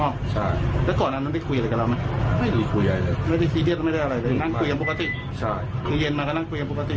แค่นั่งคุยอย่างปกติ